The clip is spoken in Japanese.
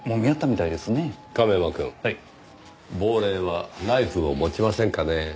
亡霊はナイフを持ちませんかね？